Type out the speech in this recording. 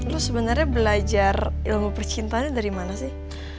lo sebenernya belajar ilmu percintaannya dari mana sih